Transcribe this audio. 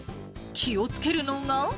気をつけるのが。